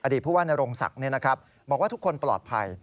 ผู้ว่านโรงศักดิ์บอกว่าทุกคนปลอดภัย